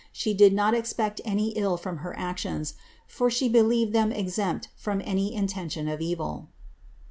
ihe did not expect any ill from her actions, for she believed them exempt from any intention of evil.''